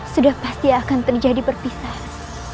sudah pasti akan terjadi perpisahan